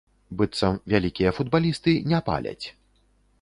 Быццам вялікія футбалісты не паляць.